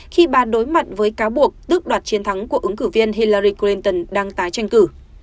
khi bà đối mặt với cáo buộc tước đoạt chiến thắng của ứng cử viên hillari clinton đang tái tranh cử